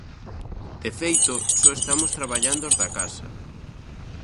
De feito, só estamos traballando os da casa.